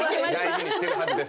大事にしてるはずです。